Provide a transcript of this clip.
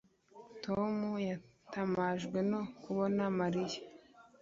Tom yatangajwe no kubona Mariya